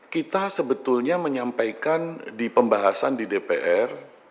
kita sebetulnya menyampaikan di pembahasan di dpr